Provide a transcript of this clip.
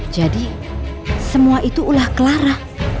jadi semua itu ulah clara